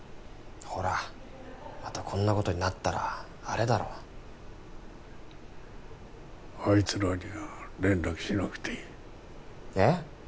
ほらまたこんなことになったらあれだろあいつらには連絡しなくていいえっ？